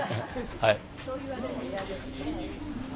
はい。